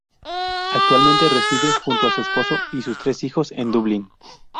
Actualmente reside junto a su esposo y sus tres hijos en Dublín.